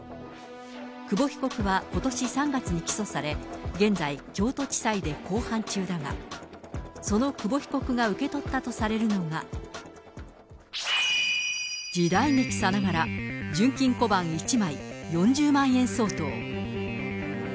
久保被告はことし３月に起訴され、現在、京都地裁で公判中だが、その久保被告が受け取ったとされるのが、時代劇さながら、純金小判１枚４０万円相当。